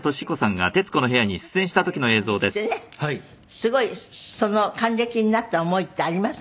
すごいその還暦になった思いってあります？